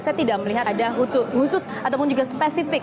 saya tidak melihat ada khusus ataupun juga spesifik